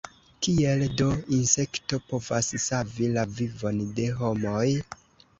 Kiel do insekto povas savi la vivon de homoj?